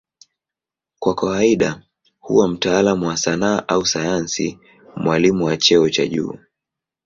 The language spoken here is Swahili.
Kwa kawaida huwa mtaalamu wa sanaa au sayansi, mwalimu wa cheo cha juu.